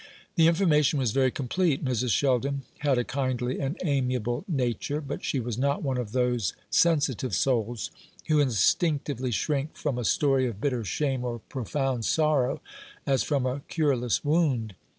The information was very complete. Mrs. Sheldon had a kindly and amiable nature, but she was not one of those sensitive souls who instinctively shrink from a story of bitter shame or profound sorrow as from a cureless wound.